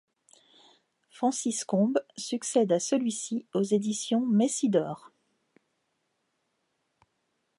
Francis Combes succède à celui-ci aux éditions Messidor.